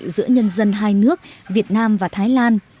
giữa nhân dân hai nước việt nam và thái lan